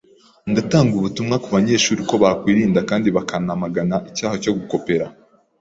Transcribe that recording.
Ndatanga ubutumwa ku banyeshuri ko bakwirinda kandi bakanamaga icyaha cyo gukopera.”